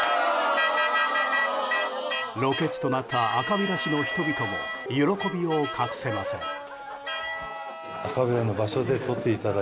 ロケ地となった赤平市の人々も喜びを隠せません。